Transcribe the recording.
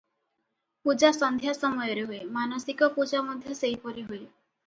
ପୂଜା ସନ୍ଧ୍ୟା ସମୟରେ ହୁଏ, ମାନସିକ ପୂଜା ମଧ୍ୟ ସେହିପରି ହୁଏ ।